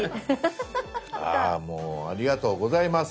あもうありがとうございます。